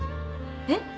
えっ？